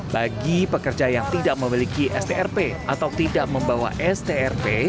bagi pekerja yang tidak memiliki strp atau tidak membawa strp